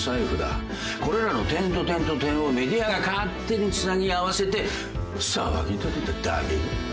これらの点と点と点をメディアが勝手につなぎ合わせて騒ぎ立てただけだ。